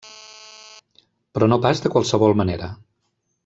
Però no pas de qualsevol manera.